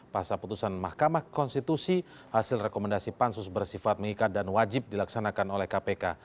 pasal putusan mahkamah konstitusi hasil rekomendasi pansus bersifat mengikat dan wajib dilaksanakan oleh kpk